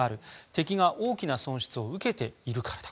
敵が大きな損失を受けているからだ。